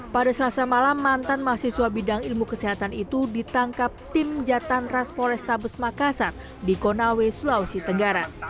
pada selasa malam mantan mahasiswa bidang ilmu kesehatan itu ditangkap tim jatan ras polrestabes makassar di konawe sulawesi tenggara